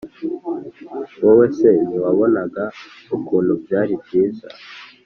– wowe se ntiwabonaga ukuntu byari byiza?